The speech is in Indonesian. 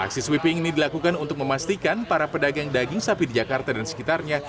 aksi sweeping ini dilakukan untuk memastikan para pedagang daging sapi di jakarta dan sekitarnya